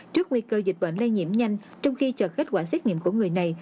trước nguy cơ dịch bệnh lây nhiễm nhanh trong khi chờ kết quả xét nghiệm của người này